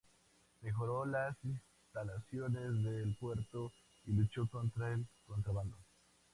Mejoró las instalaciones del puerto y luchó contra el contrabando.